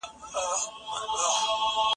هر څوک په نشه کي يو غرور کوي